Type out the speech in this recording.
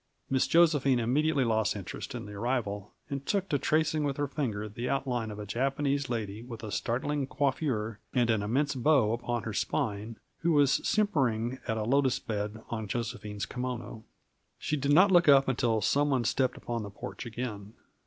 Miss Josephine immediately lost interest in the arrival and took to tracing with her finger the outline of a Japanese lady with a startling coiffure and an immense bow upon her spine, who was simpering at a lotus bed on Josephine's kimono. She did not look up until some one stepped upon the porch again.